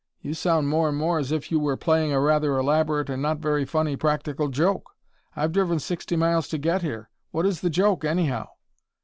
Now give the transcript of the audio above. You sound more and more as if you were playing a rather elaborate and not very funny practical joke. I've driven sixty miles to get here. What is the joke, anyhow?"